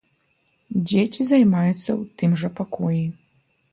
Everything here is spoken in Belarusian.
Дзеці займаюцца ў тым жа пакоі.